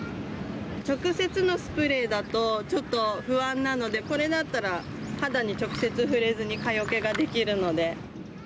直接のスプレーだとちょっと不安なので、これだったら、肌に直接触れずに蚊よけができるので。